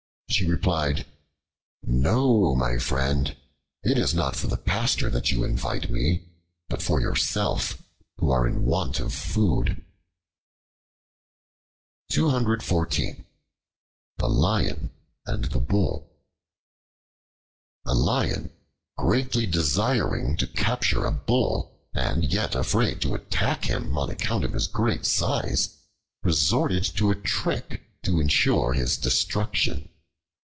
She replied, "No, my friend, it is not for the pasture that you invite me, but for yourself, who are in want of food." The Lion and the Bull A LION, greatly desiring to capture a Bull, and yet afraid to attack him on account of his great size, resorted to a trick to ensure his destruction.